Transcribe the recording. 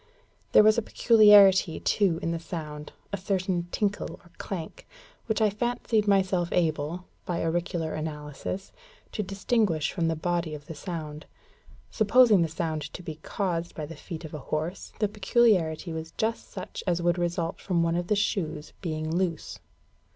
There was a peculiarity, too, in the sound a certain tinkle, or clank, which I fancied myself able, by auricular analysis, to distinguish from the body of the sound. Supposing the sound to be caused by the feet of a horse, the peculiarity was just such as would result from one of the shoes being loose.